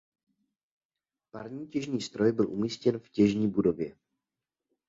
Parní těžní stroj byl umístěn v těžní budově.